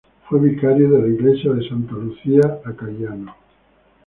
Fue vicario de la iglesia de Santa Lucia a Caggiano.